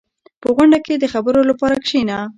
• په غونډه کې د خبرو لپاره کښېنه.